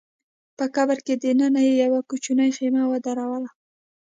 په قبر کي دننه يې يوه کوچنۍ خېمه ودروله